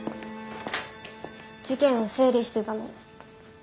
事件を整理してたの。